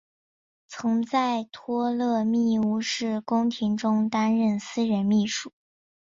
曾在托勒密五世宫廷中担任私人秘书。